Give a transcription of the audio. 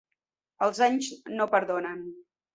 Els anys no perdonen.